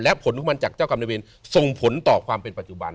และผลของมันจากเจ้ากรรมในเวรส่งผลต่อความเป็นปัจจุบัน